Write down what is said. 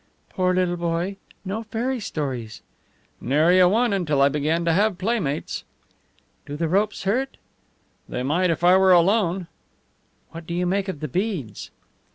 "Poor little boy! No fairy stories!" "Nary a one until I began to have playmates." "Do the ropes hurt?" "They might if I were alone." "What do you make of the beads?"